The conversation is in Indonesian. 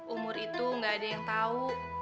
umur itu gak ada yang tahu